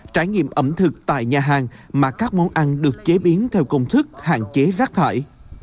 trải nghiệm ẩm thực tại nhà hàng mà các món ăn được chế biến theo công thức hạn chế rác thải